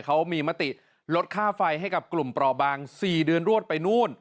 เขามีมติลดค่าไฟให้กับกลุ่มปลอบาง๔เดือนรวดไปนู่น